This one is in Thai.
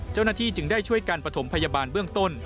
เจ้าหน้าที่จึงได้ช่วยการประถมพยาบาลเบื้องต้น